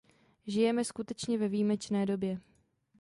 Žijeme skutečně ve výjimečné době.